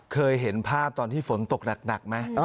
เคยเห็นภาพตอนที่ฝนตกหนักไหม